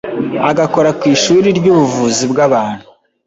Agakora ku ishuri ry'ubuvuzi bw'abantu